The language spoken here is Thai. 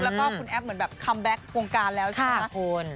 แล้วก็คุณแอฟเหมือนแบบคัมแบ็ควงการแล้วใช่ไหมล่ะคุณ